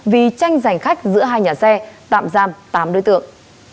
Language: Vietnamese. vì tranh giành khách giữa hai nhà xe tạm giam tám đối tượng